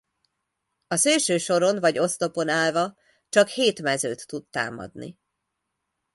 A szélső soron vagy oszlopon állva csak hét mezőt tud támadni.